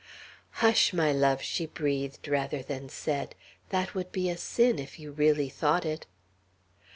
"Hush, my love," she breathed rather than said. "That would be a sin, if you really thought it.